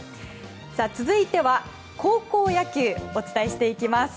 続いては高校野球をお伝えしていきます。